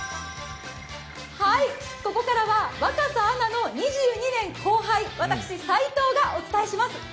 ここからは若狭アナの２２年後輩、私、斉藤がお伝えします。